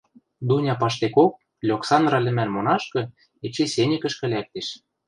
Дуня паштекок Льоксандра лӹмӓн монашкы эче сеньӹкӹшкӹ лӓктеш.